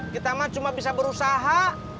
kita mah cuma bisa berusaha